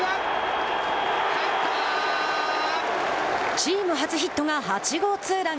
チーム初ヒットが８号ツーラン。